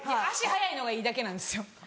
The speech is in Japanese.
足速いのがいいだけなんですよ。